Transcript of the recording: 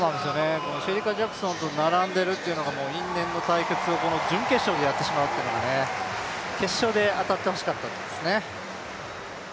シェリカ・ジャクソンと並んでいるというのが因縁の対決、準決勝でやってしまうというのがね、決勝で当たってほしかったですね。